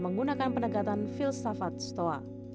menggunakan penegatan filsafat stoa